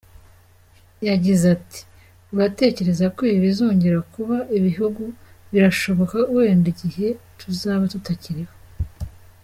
Yagize ati “Uratekereza ko ibi bizongera kuba ibihugu? Birashoboka wenda igihe tuzaba tutakiriho.